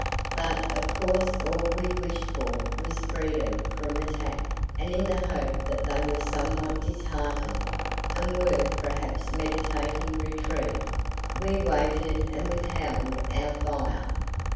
But of course all we wished for was freedom from attack, and in the hope that they were somewhat disheartened, and were perhaps meditating retreat, we waited and withheld our fire.